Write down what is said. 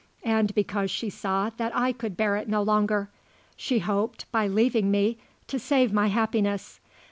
And because she saw that I could bear it no longer. She hoped, by leaving me, to save my happiness.